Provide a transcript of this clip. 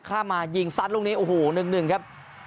ข้ามมายิงซัดลงนี้โอ้โหนึ่งครับ